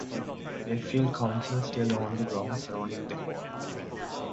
Wakefield Council still owned the grounds surrounding the hall.